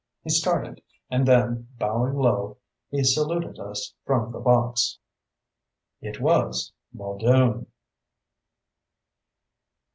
He started, and then, bowing low, he saluted us from the box. It was "Muldoon."